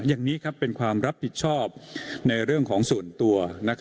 อย่างนี้เป็นความรับผิดชอบในเรื่องของส่วนตัว